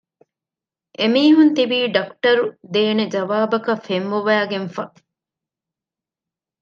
އެމީހުން ތިބީ ޑޮކުޓަރު ދޭނެ ޖަވާބަކަށް ފެންބޮވައިގެން ފަ